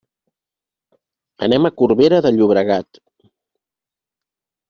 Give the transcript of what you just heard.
Anem a Corbera de Llobregat.